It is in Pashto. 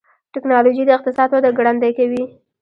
ټکنالوجي د اقتصاد وده ګړندۍ کوي.